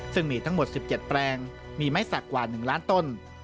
ซึ่งมีทั้งหมด๑๗แปลงมีไม้สักกว่า๑ล้านต้น